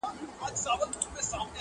خداى دي ساته له بــېـلــتــــونـــــه~